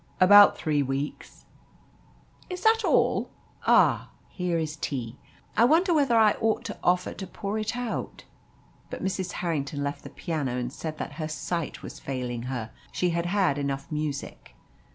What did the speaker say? "About three weeks." "Is that all? Ah! here is tea. I wonder whether I ought to offer to pour it out!" But Mrs. Harrington left the piano, and said that her sight was failing her. She had had enough music.